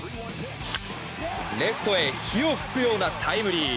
レフトへ火を噴くようなタイムリー。